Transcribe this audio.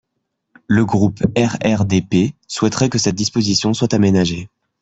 Le groupe RRDP souhaiterait que cette disposition soit aménagée.